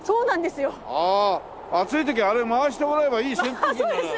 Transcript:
暑い時あれ回してもらえばいい扇風機になるよなあ。